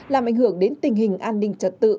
làm ảnh hưởng đến tình hình an ninh trật tự